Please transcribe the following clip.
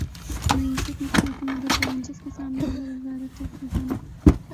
معیشت مستحکم مگر چیلنجز کا سامنا ہوگا وزارت خزانہ